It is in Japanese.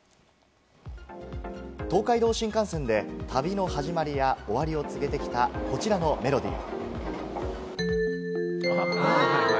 東海道新幹線で旅の始まりや終わりを告げてきたこちらのメロディー。